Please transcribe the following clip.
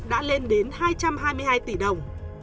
đã lên đến hai trăm hai mươi hai tỷ đồng